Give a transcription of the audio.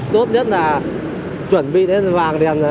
tốt nhất là chuẩn bị đến vàng đèn